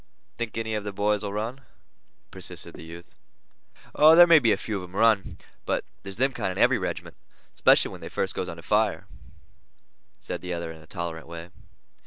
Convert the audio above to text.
"Think any of the boys 'll run?" persisted the youth. "Oh, there may be a few of 'em run, but there's them kind in every regiment, 'specially when they first goes under fire," said the other in a tolerant way.